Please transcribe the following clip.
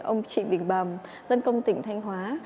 ông trịnh đình bầm dân công tỉnh thanh hóa